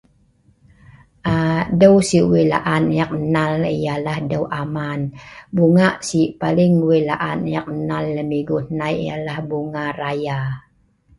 um doeu si' wei' la'an eek nnal ai yalah Doeu Aman, bungak si paling wei' la'an eek nnal lem igu hnai yalah Bungak Raya